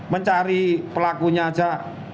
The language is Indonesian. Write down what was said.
mencari pelakunya aja